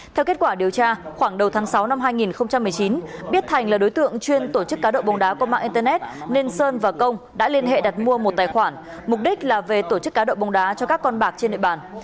theo kết quả điều tra khoảng đầu tháng sáu năm hai nghìn một mươi chín biết thành là đối tượng chuyên tổ chức cá đậu bồng đá của mạng internet nên sơn và công đã liên hệ đặt mua một tài khoản mục đích là về tổ chức cá đậu bồng đá cho các con bạc trên nội bản